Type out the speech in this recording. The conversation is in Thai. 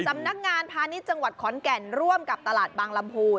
สำนักงานพาณิชย์จังหวัดขอนแก่นร่วมกับตลาดบางลำพูน